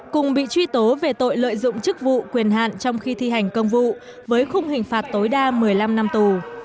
cùng bị truy tố về tội lợi dụng chức vụ quyền hạn trong khi thi hành công vụ với khung hình phạt tối đa một mươi năm năm tù